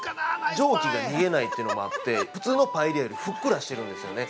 蒸気が逃げないというのもあって普通のパエリアよりふっくらしてるんですよね。